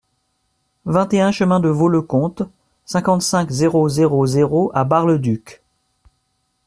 vingt et un chemin de Vaux le Comte, cinquante-cinq, zéro zéro zéro à Bar-le-Duc